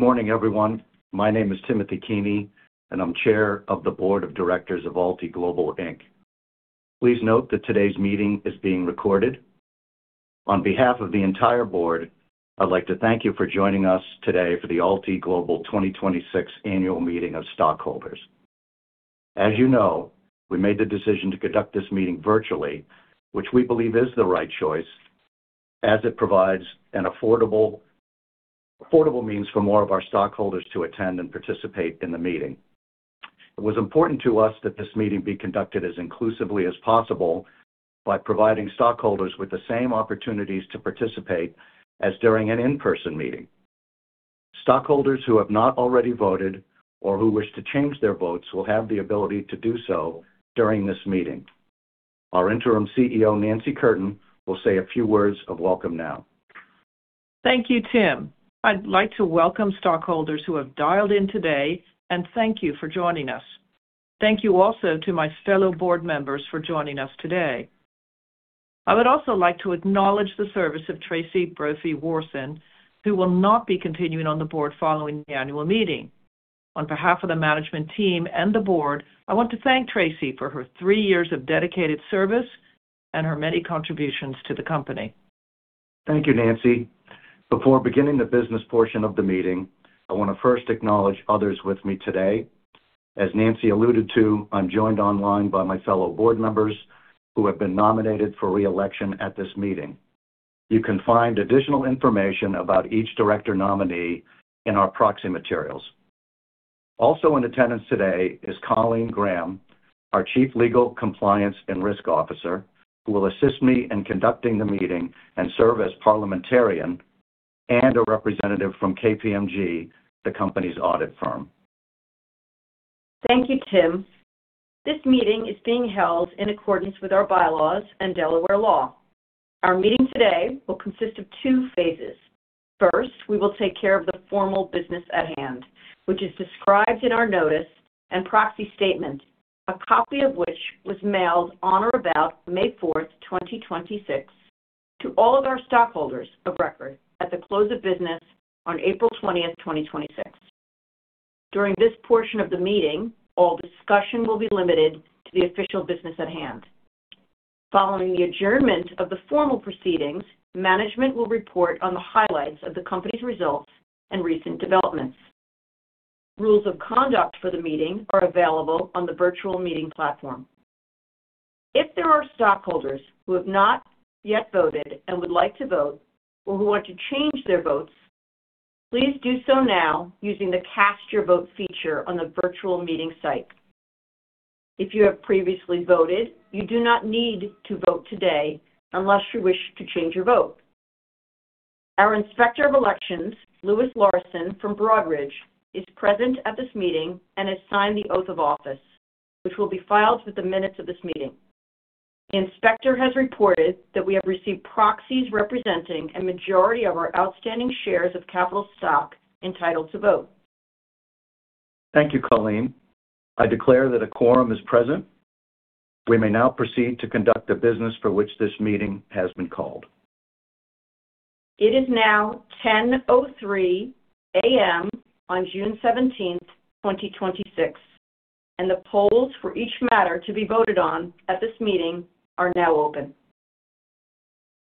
Good morning, everyone. My name is Timothy Keaney, I'm Chair of the Board of Directors of AlTi Global, Inc. Please note that today's meeting is being recorded. On behalf of the entire board, I'd like to thank you for joining us today for the AlTi Global 2026 Annual Meeting of Stockholders. As you know, we made the decision to conduct this meeting virtually, which we believe is the right choice as it provides an affordable means for more of our stockholders to attend and participate in the meeting. It was important to us that this meeting be conducted as inclusively as possible by providing stockholders with the same opportunities to participate as during an in-person meeting. Stockholders who have not already voted or who wish to change their votes will have the ability to do so during this meeting. Our Interim CEO, Nancy Curtin, will say a few words of welcome now. Thank you, Tim. I'd like to welcome stockholders who have dialed in today and thank you for joining us. Thank you also to my fellow board members for joining us today. I would also like to acknowledge the service of Tracey Brophy Warson, who will not be continuing on the board following the annual meeting. On behalf of the management team and the board, I want to thank Tracey for her three years of dedicated service and her many contributions to the Company. Thank you, Nancy. Before beginning the business portion of the meeting, I want to first acknowledge others with me today. As Nancy alluded to, I'm joined online by my fellow board members who have been nominated for re-election at this meeting. You can find additional information about each director nominee in our proxy materials. Also in attendance today is Colleen Graham, our Chief Legal, Compliance, and Risk Officer, who will assist me in conducting the meeting and serve as parliamentarian, and a representative from KPMG, the Company's audit firm. Thank you, Tim. This meeting is being held in accordance with our bylaws and Delaware law. Our meeting today will consist of two phases. First, we will take care of the formal business at hand, which is described in our notice and proxy statement, a copy of which was mailed on or about May 4th, 2026, to all of our stockholders of record at the close of business on April 20th, 2026. During this portion of the meeting, all discussion will be limited to the official business at hand. Following the adjournment of the formal proceedings, management will report on the highlights of the Company's results and recent developments. Rules of conduct for the meeting are available on the virtual meeting platform. If there are stockholders who have not yet voted and would like to vote or who want to change their votes, please do so now using the Cast Your Vote feature on the virtual meeting site. If you have previously voted, you do not need to vote today unless you wish to change your vote. Our Inspector of Elections, Louis Larson from Broadridge, is present at this meeting and has signed the Oath of Office, which will be filed with the minutes of this meeting. The inspector has reported that we have received proxies representing a majority of our outstanding shares of capital stock entitled to vote. Thank you, Colleen. I declare that a quorum is present. We may now proceed to conduct the business for which this meeting has been called. It is now 10:03 A.M. on June 17th, 2026, and the polls for each matter to be voted on at this meeting are now open.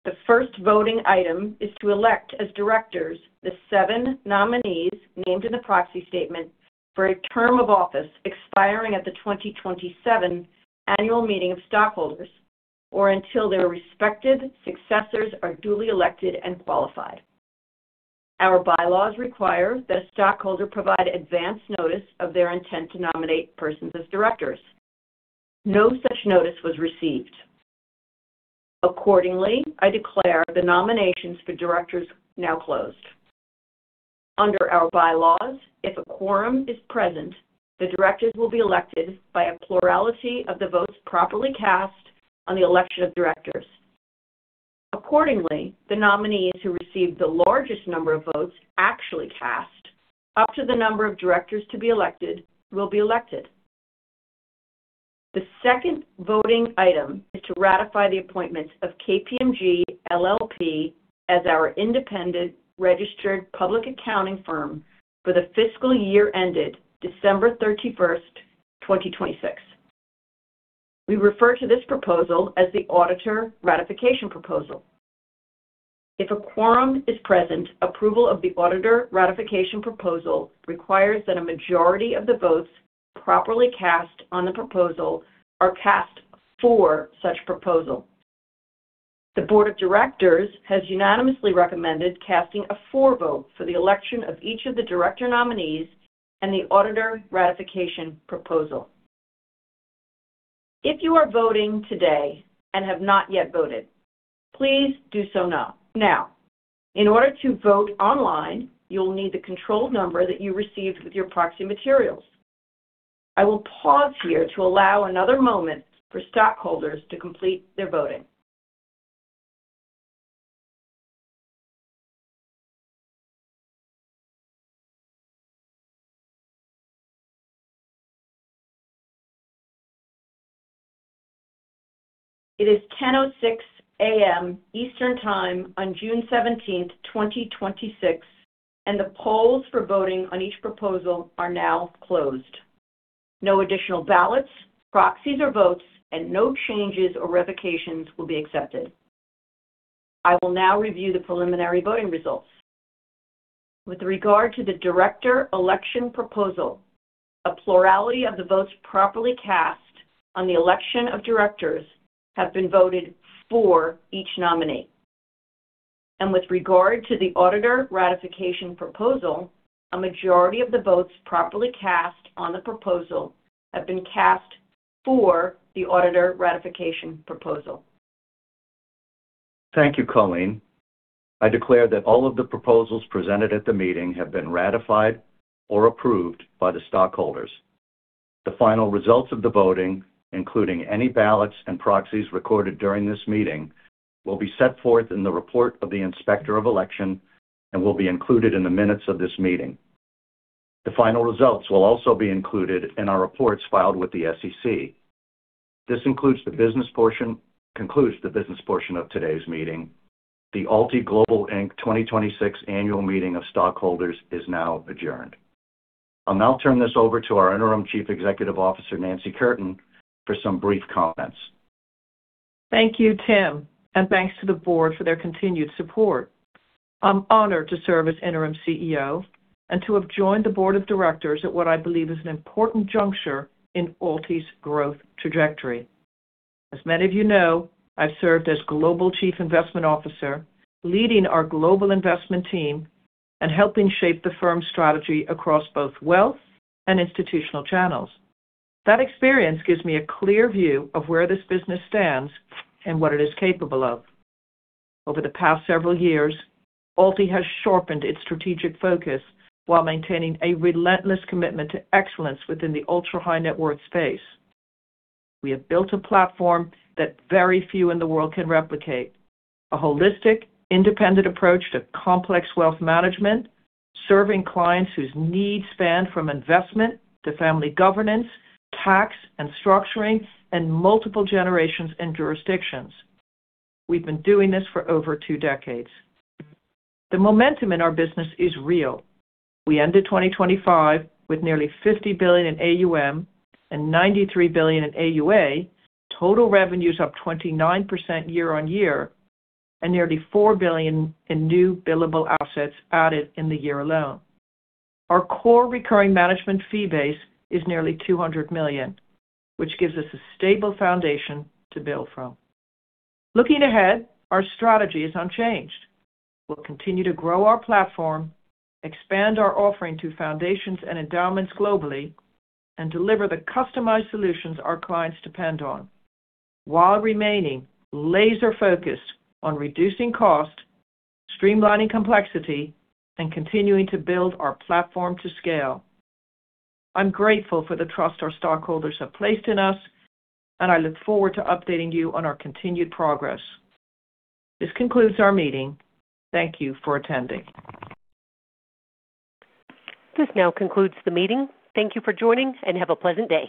The first voting item is to elect as directors the seven nominees named in the proxy statement for a term of office expiring at the 2027 annual meeting of stockholders, or until their respective successors are duly elected and qualified. Our bylaws require that a stockholder provide advance notice of their intent to nominate persons as directors. No such notice was received. Accordingly, I declare the nominations for directors now closed. Under our bylaws, if a quorum is present, the directors will be elected by a plurality of the votes properly cast on the election of directors. Accordingly, the nominees who receive the largest number of votes actually cast up to the number of directors to be elected will be elected. The second voting item is to ratify the appointments of KPMG LLP as our independent registered public accounting firm for the fiscal year ended December 31st, 2026. We refer to this proposal as the Auditor Ratification Proposal. If a quorum is present, approval of the Auditor Ratification Proposal requires that a majority of the votes properly cast on the proposal are cast for such proposal. The board of directors has unanimously recommended casting a for vote for the election of each of the director nominees and the Auditor Ratification Proposal. If you are voting today and have not yet voted, please do so now. In order to vote online, you will need the control number that you received with your proxy materials. I will pause here to allow another moment for stockholders to complete their voting. It is 10:06 A.M. Eastern Time on June 17th, 2026, and the polls for voting on each proposal are now closed. No additional ballots, proxies, or votes, and no changes or revocations will be accepted. I will now review the preliminary voting results. With regard to the Director Election Proposal, a plurality of the votes properly cast on the election of directors have been voted for each nominee. With regard to the Auditor Ratification Proposal, a majority of the votes properly cast on the proposal have been cast for the Auditor Ratification Proposal. Thank you, Colleen. I declare that all of the proposals presented at the meeting have been ratified or approved by the stockholders. The final results of the voting, including any ballots and proxies recorded during this meeting, will be set forth in the report of the Inspector of Elections and will be included in the minutes of this meeting. The final results will also be included in our reports filed with the SEC. This concludes the business portion of today's meeting. The AlTi Global, Inc. 2026 Annual Meeting of Stockholders is now adjourned. I'll now turn this over to our Interim Chief Executive Officer, Nancy Curtin, for some brief comments. Thank you, Tim, and thanks to the Board for their continued support. I'm honored to serve as Interim CEO and to have joined the Board of Directors at what I believe is an important juncture in AlTi's growth trajectory. As many of you know, I've served as Global Chief Investment Officer, leading our global investment team and helping shape the firm's strategy across both wealth and institutional channels. That experience gives me a clear view of where this business stands and what it is capable of. Over the past several years, AlTi has sharpened its strategic focus while maintaining a relentless commitment to excellence within the ultra-high net worth space. We have built a platform that very few in the world can replicate. A holistic, independent approach to complex wealth management, serving clients whose needs span from investment to family governance, tax and structuring, and multiple generations and jurisdictions. We've been doing this for over two decades. The momentum in our business is real. We ended 2025 with nearly $50 billion in AUM and $93 billion in AUA, total revenues up 29% year-on-year, and nearly $4 billion in new billable assets added in the year alone. Our core recurring management fee base is nearly $200 million, which gives us a stable foundation to build from. Looking ahead, our strategy is unchanged. We'll continue to grow our platform, expand our offering to foundations and endowments globally, and deliver the customized solutions our clients depend on while remaining laser-focused on reducing cost, streamlining complexity, and continuing to build our platform to scale. I'm grateful for the trust our stockholders have placed in us, and I look forward to updating you on our continued progress. This concludes our meeting. Thank you for attending. This now concludes the meeting. Thank you for joining, and have a pleasant day.